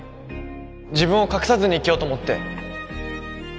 自分を隠さずに生きようと思って